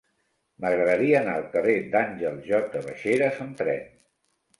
M'agradaria anar al carrer d'Àngel J. Baixeras amb tren.